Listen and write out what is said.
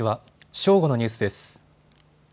正午のニュースです。